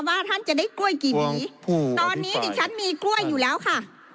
ท่านจะได้กล้วยกี่หมีตอนนี้ดิฉันมีกล้วยอยู่แล้วค่ะ